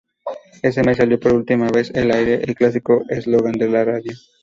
Ese mes salió por última vez al aire el clásico eslogan de la radio.